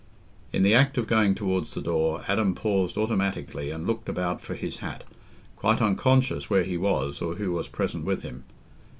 In the act of going towards the door, Adam paused automatically and looked about for his hat, quite unconscious where he was or who was present with him.